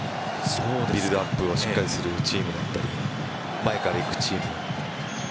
ビルドアップをしっかりするチームだったり前から行くチーム。